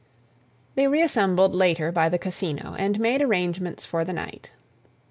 They reassembled later by the Casino and made arrangements for the night.